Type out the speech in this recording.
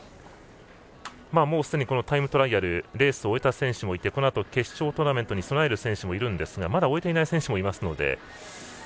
すでにタイムトライアルレースを終えた選手もいてこのあと、決勝トーナメントに備える選手もいるんですがまだ終えていない選手もいるので。